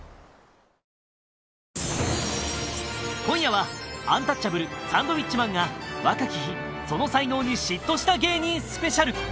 今夜はアンタッチャブルサンドウィッチマンが若き日その才能に嫉妬した芸人スペシャル